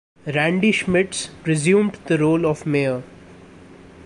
Randy Schmitz resumed the role of Mayor.